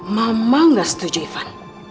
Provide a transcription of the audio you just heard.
mama nggak setuju ivan